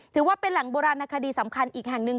ถือว่าเป็นแหล่งโบราณคดีสำคัญอีกแห่งหนึ่ง